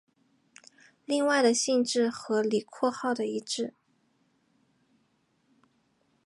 另外的性质和李括号的一致。